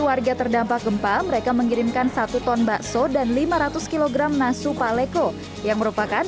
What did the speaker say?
warga terdampak gempa mereka mengirimkan satu ton bakso dan lima ratus kg nasu paleko yang merupakan